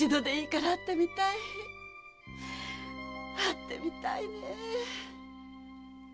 会ってみたいねえ。